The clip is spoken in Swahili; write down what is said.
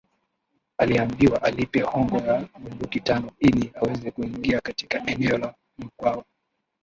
Aliaambiwa alipe hongo ya bunduki tano ili aweze kuingia katika eneo la Mkwawa